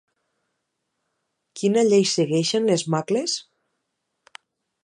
Quina llei segueixen les macles?